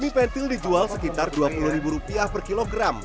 mie pentil dijual sekitar dua puluh ribu rupiah per kilogram